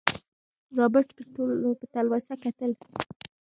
رابرټ په تلوسه کتل.